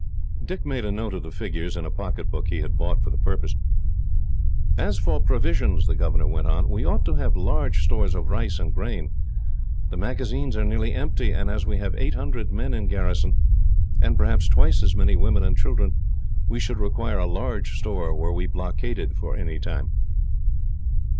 Dick made a note of the figures, in a pocket book he had bought for the purpose. "As for provisions," the governor went on, "we ought to have large stores of rice and grain. The magazines are nearly empty, and as we have eight hundred men in garrison, and perhaps twice as many women and children, we should require a large store were we blockaded for any time."